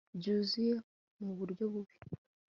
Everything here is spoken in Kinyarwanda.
Byuzuye muburyo bubi